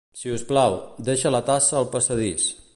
Si us plau, deixa la tassa al passadís.